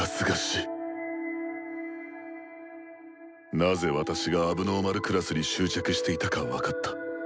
なぜ私が問題児クラスに執着していたか分かった。